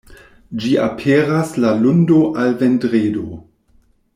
Ĝi aperas de lundo al vendredo.